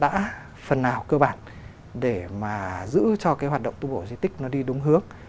đã phần nào cơ bản để mà giữ cho cái hoạt động tu bổ di tích nó đi đúng hướng